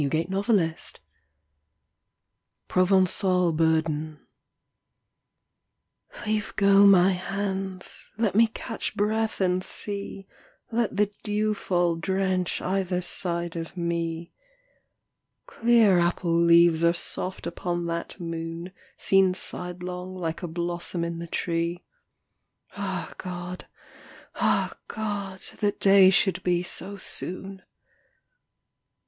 IN THE ORCHARD (PROVENÇAL BURDEN) Leave go my hands, let me catch breath and see; Let the dew fall drench either side of me; Clear apple leaves are soft upon that moon Seen sidelong like a blossom in the tree; Ah God, ah God, that day should be so soon.